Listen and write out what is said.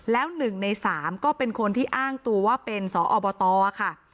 แล้ว๑ใน๓ก็เป็นคนที่อ้างตัวว่าเป็นสอบตค่ะ